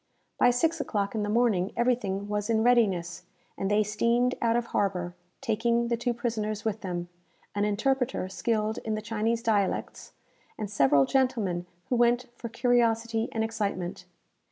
By six o'clock in the morning everything was in readiness, and they steamed out of harbour, taking the two prisoners with them, an interpreter skilled in the Chinese dialects, and several gentlemen who went for curiosity and excitement.